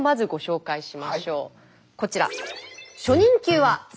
こちら。